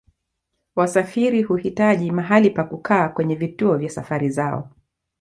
Wasafiri huhitaji mahali pa kukaa kwenye vituo vya safari zao.